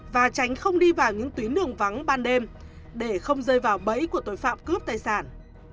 và tránh không đi vào những tuyến đường vắng ban đêm để không rơi vào bẫy của tội phạm cướp tài sản